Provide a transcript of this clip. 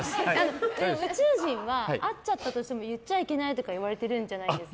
宇宙人は会っちゃったとしても言っちゃいけないとか言われてるんですか。